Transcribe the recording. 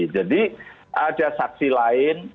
jadi ada saksi lain